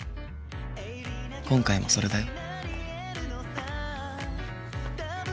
今回もそれだよ。